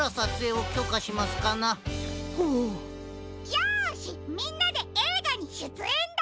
よしみんなでえいがにしゅつえんだ！